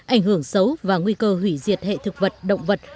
ảnh hưởng xấu và nguy cơ hủy diệt hệ thực vật động vật